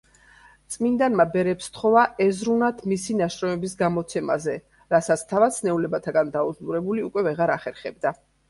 წმინდანმა ბერებს სთხოვა, ეზრუნათ მისი ნაშრომების გამოცემაზე, რასაც თავად, სნეულებათაგან დაუძლურებული, უკვე ვერ ახერხებდა.